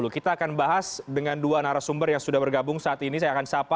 kita akan bahas dengan dua narasumber yang sudah bergabung saat ini saya akan sapa